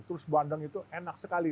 terus bandeng itu enak sekali